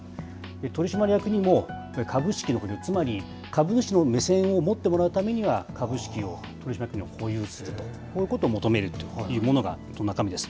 取締役にも株式の保有、つまり、株主の目線を持ってもらうためには、株式を取締役も保有すると、こういうことを求めるというものが中身です。